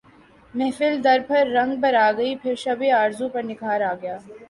محفل درد پھر رنگ پر آ گئی پھر شب آرزو پر نکھار آ گیا